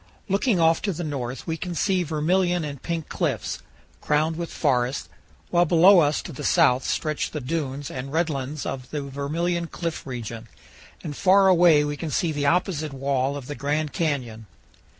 Looking off to the north we can see vermilion and pink cliffs, crowned with forests, while below us to the south stretch the dunes and red lands of the Vermilion Cliff region, and far away we can see the opposite wall of the Grand Canyon.